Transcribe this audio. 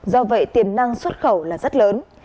do vậy tiềm năng xuất khẩu là rất lớn